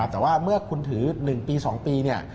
แต่ว่าเมื่อคุณถือ๑๒ปี